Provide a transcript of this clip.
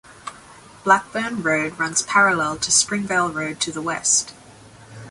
Blackburn Road runs parallel to Springvale Road to the west.